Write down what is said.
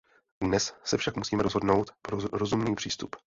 Dnes se však musíme rozhodnout pro rozumný přístup.